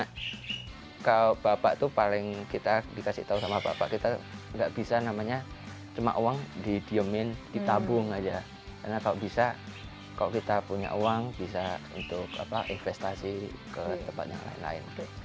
karena kalau bapak tuh paling kita dikasih tahu sama bapak kita nggak bisa namanya cuma uang didiemin ditabung aja karena kalau bisa kalau kita punya uang bisa untuk investasi ke tempat yang lain lain